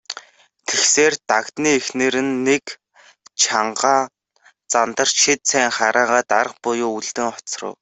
Тэгсээр, Дагданы эхнэр нэг чангахан зандарч хэд сайн хараагаад арга буюу үлдэн хоцров.